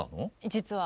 実は。